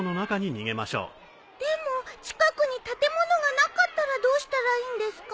でも近くに建物がなかったらどうしたらいいんですか？